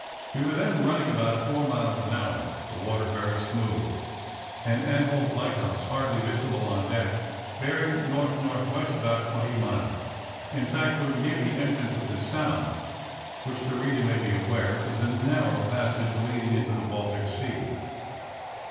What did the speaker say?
We were then running about four miles an hour, the water very smooth, and Anholt lighthouse hardly visible on deck, bearing N.N.W. about twenty miles. In fact, we were near the entrance of the Sound, which, the reader may be aware, is a narrow passage leading into the Baltic Sea.